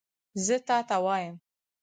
زه تا ته وایم !